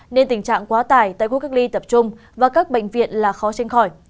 nên tình trạng quá tải tại khu cách ly tập trung và các bệnh viện là khó sinh khỏi